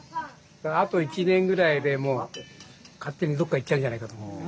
あと１年ぐらいでもう勝手にどっか行っちゃうんじゃないかと。